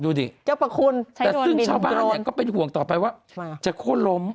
ดูดิเจ้าประคุณแต่ซึ่งชาวบ้านเนี่ยก็เป็นห่วงต่อไปว่าจะโค้นล้ม